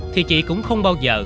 thì chị cũng không bao giờ